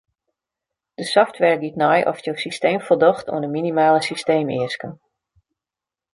De software giet nei oft jo systeem foldocht oan de minimale systeemeasken.